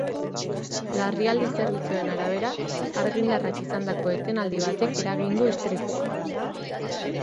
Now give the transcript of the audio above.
Larrialdi zerbitzuen arabera, argindarrak izandako etenaldi batek eragin du istripua.